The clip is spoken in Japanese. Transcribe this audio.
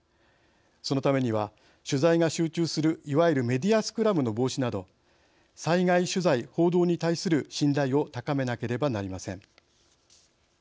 そのためには取材が集中するいわゆるメディアスクラムの防止など災害取材・報道に対する信頼を高めなければなりません。